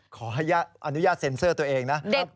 ขออนุญาตเซ็นเซอร์ตัวเองนะ